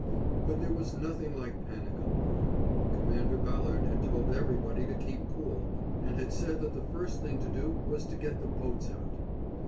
But there was nothing like panic on board. Commander Ballard had told everybody to keep cool, and had said that the first thing to do was to get the boats out.